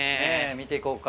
見て行こうか。